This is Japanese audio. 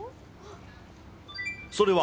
それは。